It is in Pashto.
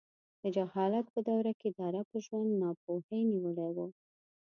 د جهالت په دوره کې د عربو ژوند ناپوهۍ نیولی و.